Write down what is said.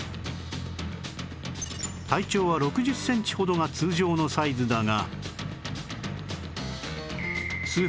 体長は６０センチほどが通常のサイズだが